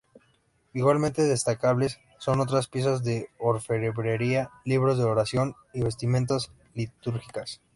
Igualmente destacables son otras piezas de orfebrería, libros de oraciones y vestimentas litúrgicas.